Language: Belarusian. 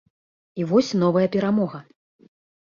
І вось новая перамога!